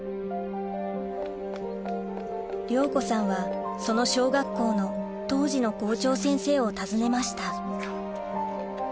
亮子さんはその小学校の当時の校長先生を訪ねました